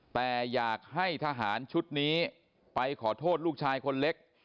แต่อยากให้ทหารชุดนี้ไปขอโทษลูกชายคนเล็ก